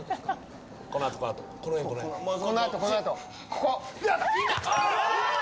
ここ。